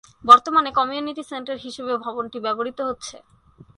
বর্তমানে community centre হিসেবে ভবনটি ব্যবহৃত হচ্ছে।